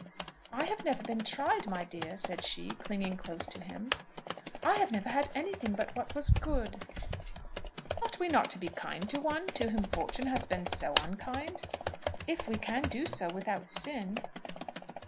"I have never been tried, my dear," said she, clinging close to him. "I have never had anything but what was good." "Ought we not to be kind to one to whom Fortune has been so unkind?" "If we can do so without sin."